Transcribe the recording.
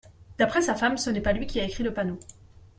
D’après sa femme, ce n’est pas lui qui a écrit le panneau